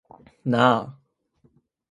なあ